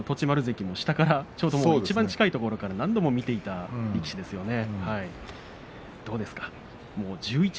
栃丸関も下からいちばん近いところから何度も見ていた力士ですよね。